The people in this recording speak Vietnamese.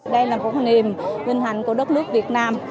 đây là một niềm vinh hành của đất nước việt nam